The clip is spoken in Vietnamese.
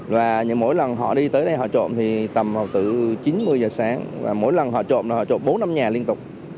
và mỗi lần họ đi tới đây họ trộm thì tầm vào từ chín mươi giờ sáng và mỗi lần họ trộm là họ trộn bốn năm nhà liên tục